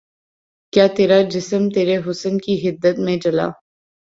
کیا ترا جسم ترے حسن کی حدت میں جلا